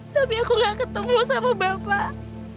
tapi aku gak ketemu sama bapak